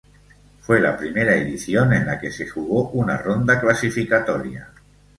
Fue la primera edición en la que se jugó una ronda clasificatoria.